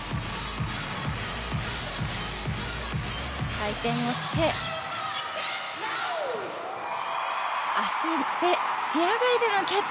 回転をして足で、視野外でのキャッチ。